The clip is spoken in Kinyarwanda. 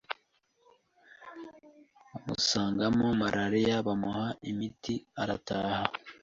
bamusangamo malaria bamuha imiti arataha